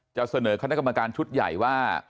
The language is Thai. จะเสนอคณะกรรมการชุดใหญ่ว่า